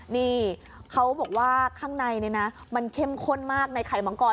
นี่เขาบอกว่าข้างในเนี่ยนะมันเข้มข้นมากในไข่มังกร